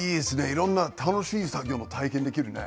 いろんな楽しい作業も体験できるね。